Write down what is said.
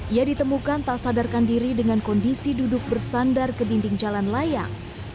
ia ditemukan tak sadarkan diri dengan kondisi duduk bersandar ke dinding jalan layang